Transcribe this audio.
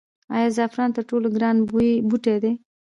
آیا زعفران تر ټولو ګران بوټی دی؟